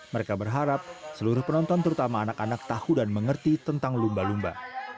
mereka berharap seluruh penonton terutama anak anak tahu dan mengerti tentang lumba lumba